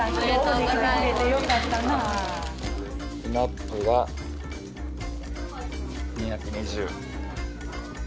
スナップが２２０。